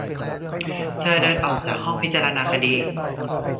เธอเดินออกจากห้องพิจารณาคดี